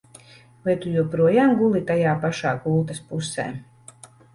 Vai tu joprojām guli tajā pašā gultas pusē?